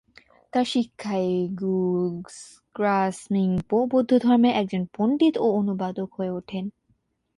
তার শিক্ষায় গ্যু-স্গ্রা-স্ন্যিং-পো বৌদ্ধ ধর্মের একজন পণ্ডিত ও অনুবাদক হয়ে ওঠেন।